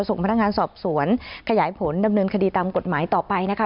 ส่งพนักงานสอบสวนขยายผลดำเนินคดีตามกฎหมายต่อไปนะคะ